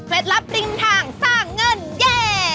เคล็ดลับริมทางสร้างเงินเย้